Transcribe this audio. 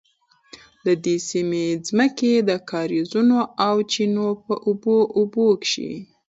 د دې سیمې ځمکې د کاریزونو او چینو په اوبو اوبه کیږي.